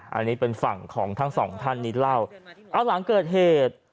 อันนี้เป็นฝั่งของทั้งสองท่านนี้เล่าเอาหลังเกิดเหตุ